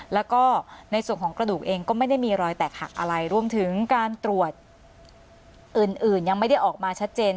แล้วก็ในส่วนของกระดูกเองก็ไม่ได้มีรอยแตกหักอะไรรวมถึงการตรวจอื่นยังไม่ได้ออกมาชัดเจน